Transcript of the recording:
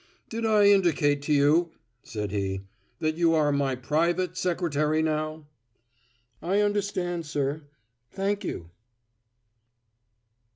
"Did I indicate to you," said he, "that you are my private secretary now?" "I understand, sir. Thank you."